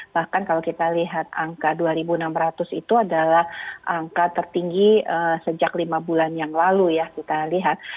bahkan kalau kita lihat angka dua enam ratus itu adalah angka tertinggi sejak lima bulan yang lalu ya kita lihat